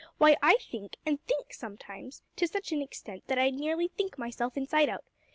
Why, I think, and think, sometimes, to such an extent that I nearly think myself inside out!